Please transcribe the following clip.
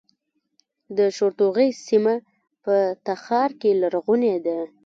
د شورتوغۍ سیمه په تخار کې لرغونې ده